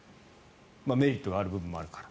メリットがある部分もあるから。